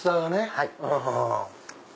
はい。